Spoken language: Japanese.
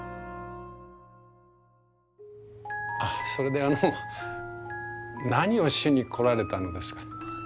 あっそれであの何をしに来られたのですか？